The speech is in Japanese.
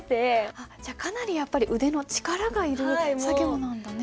あっじゃあかなりやっぱり腕の力がいる作業なんだね。